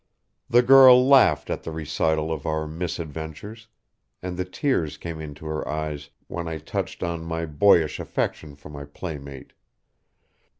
The girl laughed at the recital of our misadventures, and the tears came into her eyes when I touched on my boyish affection for my playmate.